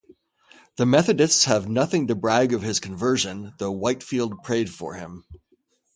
The Methodists have nothing to brag of his conversion, though Whitefield prayed for him.